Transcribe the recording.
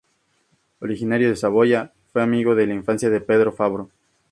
Originario de Saboya, fue amigo de la infancia de Pedro Fabro.